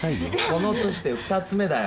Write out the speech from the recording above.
この年で「二つ目」だよ。